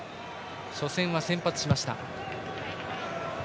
初戦は先発しました。